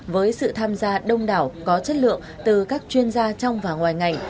với sự tham gia đông đảo có chất lượng từ các chuyên gia trong và ngoài ngành